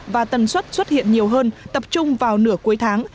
và tần suất xuất hiện nhiều hơn tập trung vào nửa cuối tháng